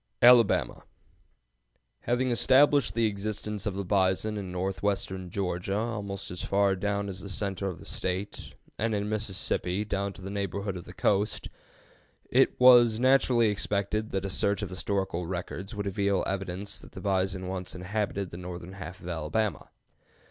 ALABAMA. Having established the existence of the bison in northwestern Georgia almost as far down as the center of the State, and in Mississippi down to the neighborhood of the coast, it was naturally expected that a search of historical records would reveal evidence that the bison once inhabited the northern half of Alabama.